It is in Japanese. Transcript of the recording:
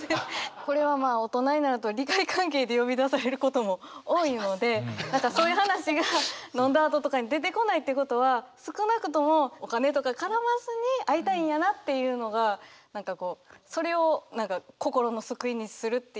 これは大人になると利害関係で呼び出されることも多いのでそういう話が飲んだあととかに出てこないってことは少なくともお金とか絡まずに会いたいんやなっていうのが何かこうそれを心の救いにするっていう。